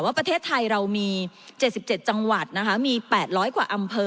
ประเทศไทยเรามี๗๗จังหวัดนะคะมี๘๐๐กว่าอำเภอ